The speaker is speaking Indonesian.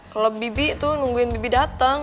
kalau bibi itu nungguin bibi datang